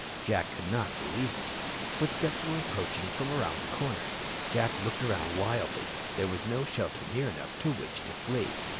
Jack could not believe it. Footsteps were approaching from around the corner. Jack looked around wildly. There was no shelter near enough to which to flee.